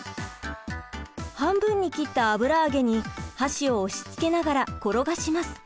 半分に切った油揚げに箸を押しつけながら転がします。